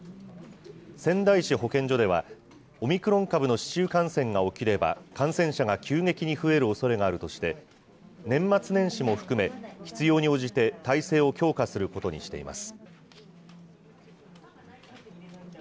仙台市保健所では、オミクロン株の市中感染が起きれば、感染者が急激に増えるおそれがあるとして、年末年始も含め必要に応じて態勢を強化することにしています。